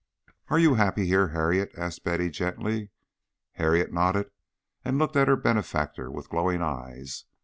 "Are you happy here, Harriet?" asked Betty, gently. Harriet nodded and looked at her benefactor with glowing eyes.